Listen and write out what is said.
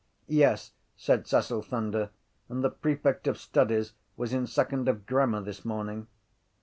—Yes, said Cecil Thunder, and the prefect of studies was in second of grammar this morning.